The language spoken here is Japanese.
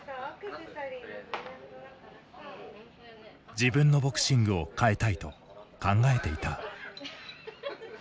自分のボクシングを変えたいと考えていた。